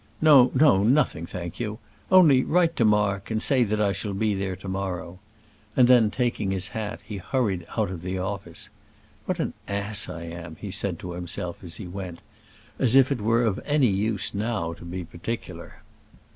"No, no; nothing, thank you. Only write to Mark, and say that I shall be there to morrow," and then, taking his hat, he hurried out of the office. "What an ass I am," he said to himself as he went: "as if it were of any use now to be particular!"